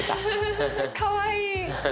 かわいい。